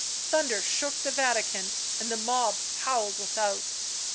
Thunder shook the Vatican and the mob howled without.